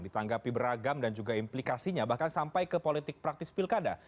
ditanggapi beragam dan juga implikasinya bahkan sampai ke politik praktis pilkada